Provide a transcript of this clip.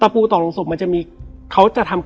แล้วสักครั้งหนึ่งเขารู้สึกอึดอัดที่หน้าอก